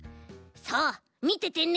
さあみててね。